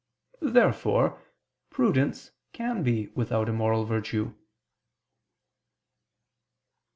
Therefore prudence can be without a moral virtue.